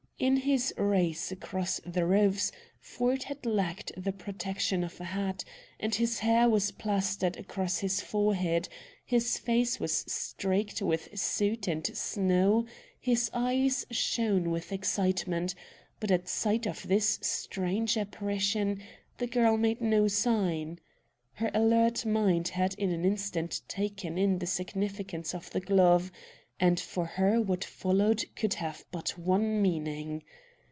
In his race across the roofs Ford had lacked the protection of a hat, and his hair was plastered across his forehead; his face was streaked with soot and snow, his eyes shone with excitement. But at sight of this strange apparition the girl made no sign. Her alert mind had in an instant taken in the significance of the glove, and for her what followed could have but one meaning.